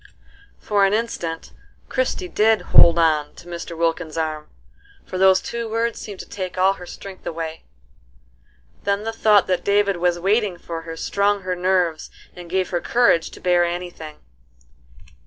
'" For an instant Christie did "hold on" to Mr. Wilkins's arm, for those two words seemed to take all her strength away. Then the thought that David was waiting for her strung her nerves and gave her courage to bear any thing.